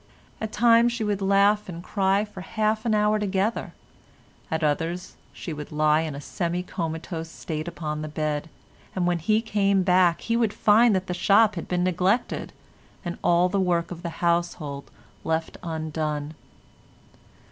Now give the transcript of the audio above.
At times she would laugh and cry for half an hour together, at others she would lie in a semi comatose state upon the bed, and when he came back he would find that the shop had been neglected and all the work of the household left undone.